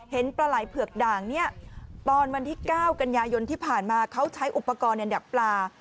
ปลาไหล่เผือกด่างเนี่ยตอนวันที่๙กันยายนที่ผ่านมาเขาใช้อุปกรณ์ดักปลา